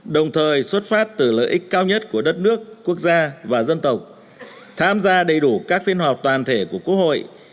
đồng thời xuất phát từ lợi ích cao nhất của đất nước quốc gia và dân tộc tham gia đầy đủ các phiên họp toàn thể của quốc hội